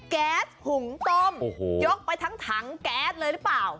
แก๊สหุงต้มยกไปทั้งถังแก๊สเลยหรือเปล่า